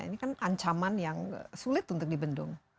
ini kan ancaman yang sulit untuk dibendung